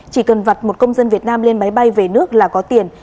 chỉ cần vặt một công dân việt nam lên máy bay về nước là có tiền